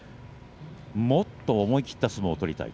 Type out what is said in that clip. もっと思い切った相撲を取りたい。